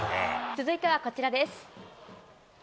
続いてはこちらです。